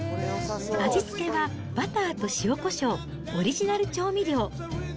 味付けは、バターと塩こしょう、オリジナル調味料。